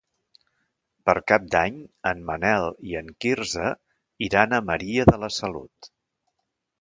Per Cap d'Any en Manel i en Quirze iran a Maria de la Salut.